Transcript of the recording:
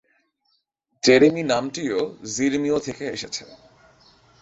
Jeremy নামটিও যিরমিয় থেকে এসেছে।